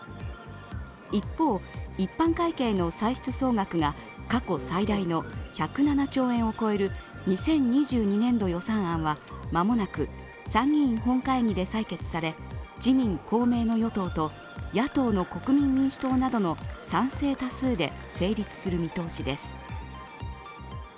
一方、一般会計の歳出総額が過去最大の１０７兆円を超える２０２２年度予算案はまもなく参議院本会議で採決され自民・公明の与党と野党の国民民主党などの賛成多数で成立する見通しです。